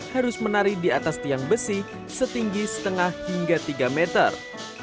harus menari di atas tiang besi setinggi setengah hingga tiga meter